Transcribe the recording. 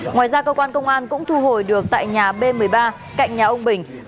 ngoài ra cơ quan công an cũng thu hồi được tại nhà b một mươi ba cạnh nhà ông bình